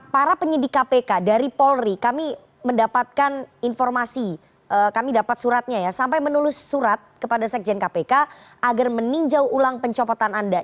para penyidik kpk dari polri kami mendapatkan informasi kami dapat suratnya ya sampai menulis surat kepada sekjen kpk agar meninjau ulang pencopotan anda